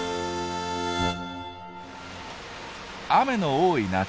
雨の多い夏。